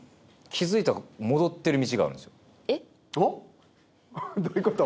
えっ？どういうこと？